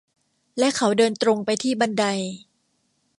และเขาเดินตรงไปที่บันได